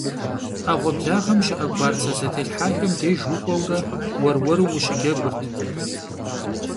Ӏэгъуэблагъэм щыӀэ гуарцэ зэтелъхьахэм деж укӀуэурэ уэр-уэру ущыджэгурт.